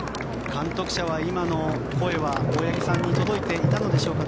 監督車は今の声は大八木さんに届いていたのでしょうか。